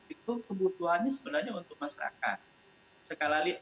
itu kebutuhannya sebenarnya untuk masyarakat